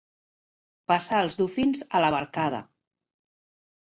Passar els dofins a la barcada.